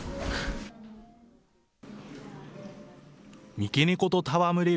三毛猫とたわむれる